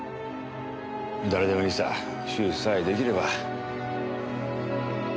誰でもいいさ手術さえ出来れば。